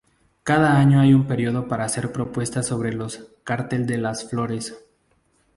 Cada año hay un periodo para hacer propuestas sobre los cartel de las Flores.